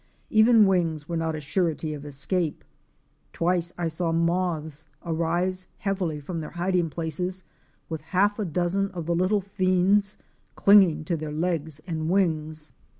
Even wings were not a surety of escape. Twice I saw moths arise heavily from their hiding places with a half dozen of the little fiends clinging to their legs and wings.